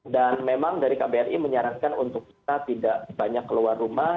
dan memang dari kbri menyarankan untuk kita tidak banyak keluar rumah